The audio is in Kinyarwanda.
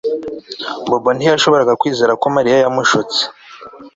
Bobo ntiyashoboraga kwizera ko Mariya yamushutse